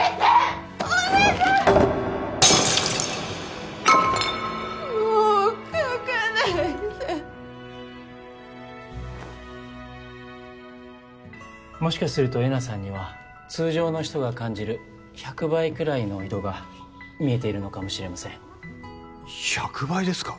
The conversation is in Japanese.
花瓶が割れた音もう描かないでもしかするとえなさんには通常の人が感じる１００倍くらいの色が見えているのかもしれません１００倍ですか？